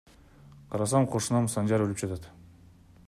Карасам кошунам Санжар өлүп жатат.